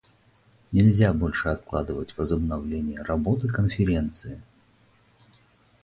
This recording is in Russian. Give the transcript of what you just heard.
Нельзя больше откладывать возобновление работы Конференции.